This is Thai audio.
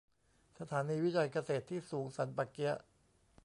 สถานีวิจัยเกษตรที่สูงสันป่าเกี๊ยะ